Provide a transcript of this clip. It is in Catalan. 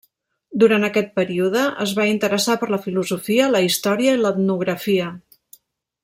Durant aquest període, es va interessar per la filosofia, la història i l'etnografia.